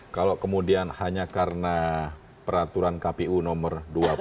kalau kemudian hanya karena peraturan kpu nomor dua puluh